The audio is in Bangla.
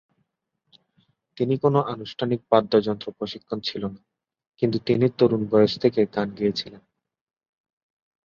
তিনি কোন আনুষ্ঠানিক বাদ্যযন্ত্র প্রশিক্ষণ ছিল না, কিন্তু তিনি তরুণ বয়স থেকে গান গেয়েছিলেন।